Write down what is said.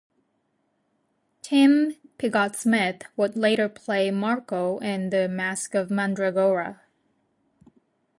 Tim Pigott-Smith would later play Marco in "The Masque of Mandragora".